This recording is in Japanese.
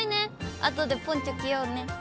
あとでポンチョ着ようね。